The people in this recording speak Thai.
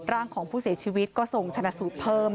ร่างของผู้เสียชีวิตก็ส่งชนะสูตรเพิ่ม